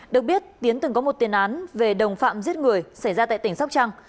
được biết tiến từng có một tiền án về đồng phạm giết người xảy ra tại tỉnh sóc trăng